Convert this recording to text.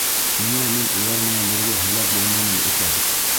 Ниңә мин улар менән бергә һәләк булманым икән?